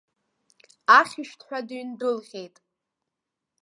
Ахьшәҭ ҳәа дыҩдәылҟьеит.